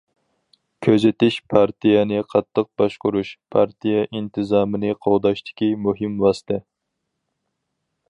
كۆزىتىش پارتىيەنى قاتتىق باشقۇرۇش، پارتىيە ئىنتىزامىنى قوغداشتىكى مۇھىم ۋاسىتە.